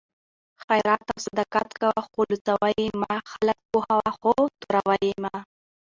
خیرات او صدقات کوه خو لوڅوه یې مه؛ خلک پوهوه خو توروه یې مه